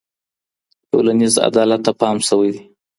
ټولنیز عدالت ته پام سوی دی.